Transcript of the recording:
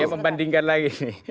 ya membandingkan lagi nih